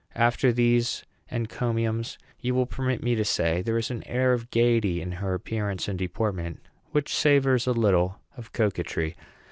After these encomiums, will you permit me to say there is an air of gayety in her appearance and deportment which savors a little of coquetry?